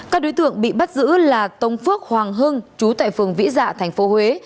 các đối tượng bị bắt giữ là tông phước hoàng hưng chú tại phường vĩ dạ tp huế